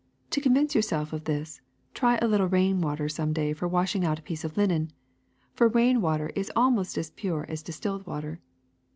To convince yourselves of this, try a little rain water some day for washing out a piece of linen ; for rain water is almost as pure as distilled water.